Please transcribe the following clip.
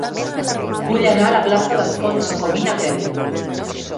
Vull anar a la plaça d'Alfonso Comín a peu.